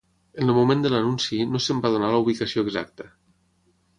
En el moment de l'anunci no se'n va donar la ubicació exacta.